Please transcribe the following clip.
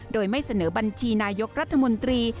โดยไม่เสนอบัญชีนายกรัฐมนตรี